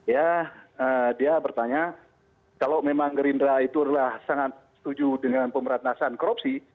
ya dia bertanya kalau memang gerindra itu adalah sangat setuju dengan pemberantasan korupsi